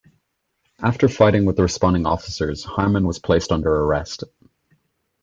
After fighting with the responding officers, Harmon was placed under arrest.